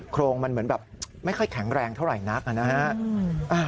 โครงมันเหมือนแบบไม่ค่อยแข็งแรงเท่าไหร่นักนะฮะ